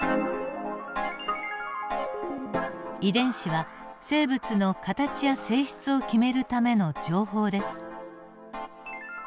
遺伝子は生物の形や性質を決めるための情報です。